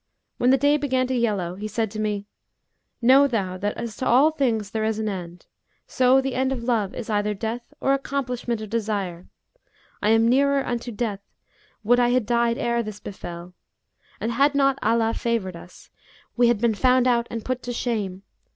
When the day began to yellow, he said to me, 'Know thou that as to all things there is an end, so the end of love is either death or accomplishment of desire. I am nearer unto death, would I had died ere this befel!; and had not Allah favoured us, we had been found out and put to shame.